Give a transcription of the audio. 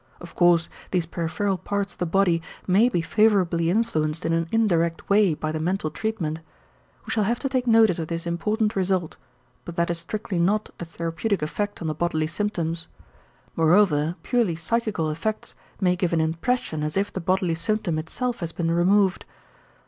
Of course these peripheral parts of the body may be favorably influenced in an indirect way by the mental treatment; we shall have to take notice of this important result but that is strictly not a therapeutic effect on the bodily symptoms. Moreover, purely psychical effects may give an impression as if the bodily symptom itself has been removed.